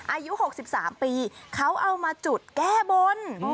อายุ๖๓ปีเขาเอามาจุดแก้บน